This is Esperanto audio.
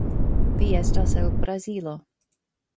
Vi estas el Brazilo.